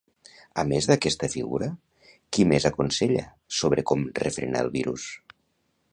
A més d'aquesta figura, qui més aconsella sobre com refrenar el virus?